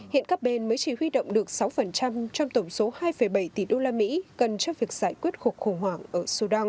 hiện các bên mới chỉ huy động được sáu trong tổng số hai bảy tỷ usd cần cho việc giải quyết cuộc khủng hoảng ở sudan